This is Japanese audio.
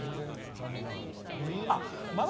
残念ながら全然。